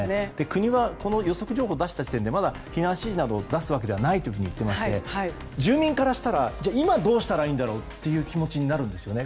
国が予測情報を出した時点でまだ避難指示などを出すわけではないと言っていまして住民からしたら、今どうしたらいいんだろうという気持ちになるんですよね。